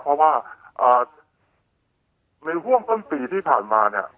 เพราะว่าในห่วงต้นปีที่ผ่านมาเนี่ย